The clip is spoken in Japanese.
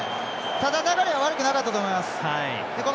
ただ、流れは悪くなかったと思います。